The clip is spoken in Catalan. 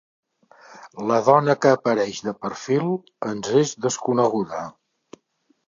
La dona que apareix de perfil ens és desconeguda.